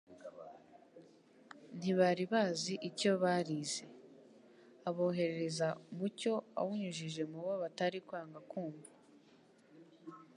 Ntibari bazi icyo barize. Aboherereza muucyo awunyujije mu bo batari kwanga kumva.